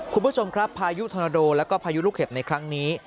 คุณผู้ชมครับพายุธนาโดแล้วก็พายุลูกเห็บในครั้งนี้